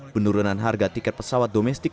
penurunan harga tiket pesawat domestik